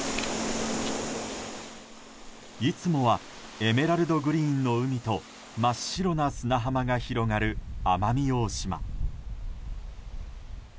いつもはエメラルドグリーンの海と真っ白な砂浜が広がる奄美大島。